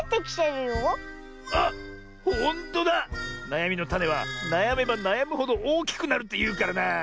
なやみのタネはなやめばなやむほどおおきくなるっていうからなあ。